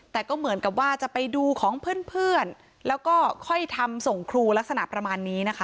แต่ก็เหมือนกับว่าจะไปดูของเพื่อนแล้วก็ค่อยทำส่งครูลักษณะประมาณนี้นะคะ